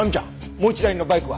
もう１台のバイクは？